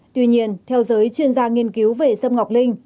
tuy nhiên theo giới chuyên gia nghiên cứu về sâm ngọc linh